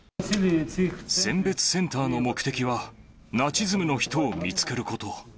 選別センターの目的は、ナチズムの人を見つけること。